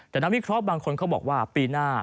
แต่นักวิเคราะห์บางคนเขาบอกว่าปีหน้า